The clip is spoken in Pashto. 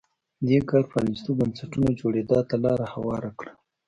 دې کار پرانیستو بنسټونو جوړېدا ته لار هواره کړه.